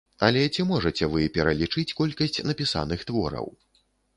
Але ці можаце вы пералічыць колькасць напісаных твораў?